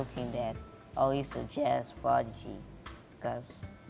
lebih dari melihatnya sebagai prodigi jazz